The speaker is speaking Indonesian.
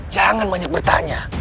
jangan banyak bertanya